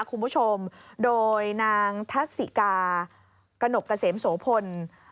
คุณผู้ชมโดยนางทัศิกากระหนกเกษมโสพล